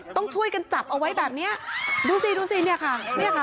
ต้องช่วยกันจับเอาไว้แบบนี้ดูสินี่ค่ะ